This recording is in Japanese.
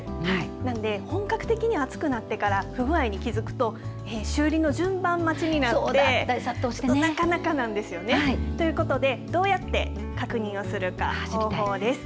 なので本格的には暑くなってから不具合に気付くと修理の順番待ちになってなかなかなんですよね。ということでどうやって確認をするか方法です。